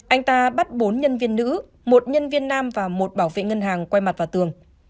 anh ta bắt bốn nhân viên nữ một nhân viên nam và một bảo vệ ngân hàng quay mặt vào tường